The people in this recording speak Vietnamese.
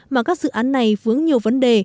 mà các dự án này vướng nhiều vấn đề